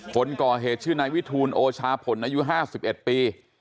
คนก่อเหตุชื่อนายวิทูลโอชาผลอายุ๕๑ปี